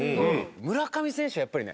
村上選手はやっぱりね